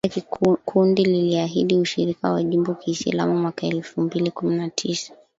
Pia kundi liliahidi ushirika na Jimbo Kiislamu mwaka elfu mbili kumi na tisa